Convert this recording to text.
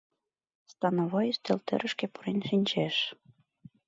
Становой ӱстелтӧрышкӧ пурен шинчеш.